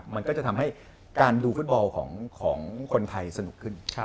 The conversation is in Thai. มันก็จะทำให้การดูฟุตบอลของคนไทยสนุกขึ้น